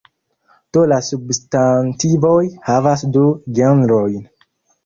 Do la substantivoj havas du genrojn.